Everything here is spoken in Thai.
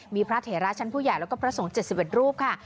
มีพระเถระชั้นผู้ใหญ่แล้วก็พระสงฆ์๗๑รูปค่ะ